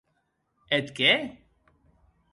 Eth qué?